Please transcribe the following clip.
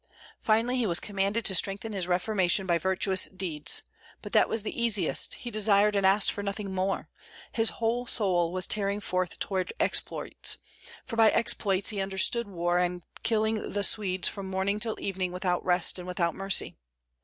Finally, he was commanded to strengthen his reformation by virtuous deeds; but that was the easiest, he desired and asked for nothing more; his whole soul was tearing forth toward exploits, for by exploits he understood war and killing the Swedes from morning till evening without rest and without mercy.